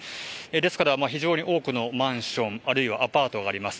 ですから非常に多くのマンションあるいはアパートがあります。